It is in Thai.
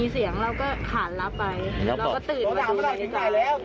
เราก็ขาดลับไปเราก็ตื่นมาดูกันดีกว่า